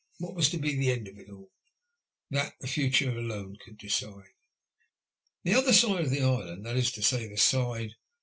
What was to be the end of it all ? That the future alone could decide. The other side of the island — ^that is to say, the side THE 8ALVA0ES.